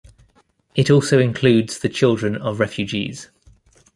It also includes the children of refugees.